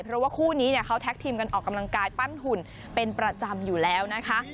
เพราะว่าคู่นี้เนี่ยเขาแท็กทีมกันออกกำลังกายปั้นหุ่นเป็นประจำอยู่แล้วนะคะ